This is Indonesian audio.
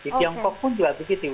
di tiongkok pun juga begitu